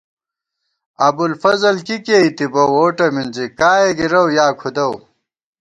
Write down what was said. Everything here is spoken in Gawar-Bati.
ابُوالفضل کی کېئ تِبہ ، ووٹہ مِنزی ، کائے گِرَؤ یا کھُدَؤ